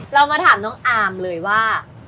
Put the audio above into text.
เรามาถามน้องอาร์มเลยว่า